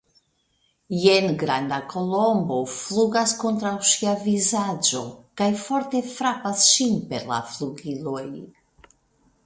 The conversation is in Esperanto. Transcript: Jen granda Kolombo flugas kontraŭ ŝia vizaĝo kaj forte frapas ŝin per la flugiloj.